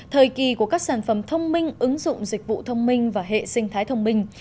thời kỳ của các sản phẩm thông minh ứng dụng dịch vụ thông minh và hệ sinh thái thông minh